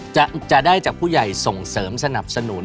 จะได้จากผู้ใหญ่ส่งเสริมสนับสนุน